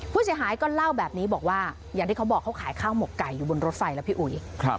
ผู้เสียหายก็เล่าแบบนี้บอกว่าอย่างที่เขาบอกเขาขายข้าวหมกไก่อยู่บนรถไฟแล้วพี่อุ๋ย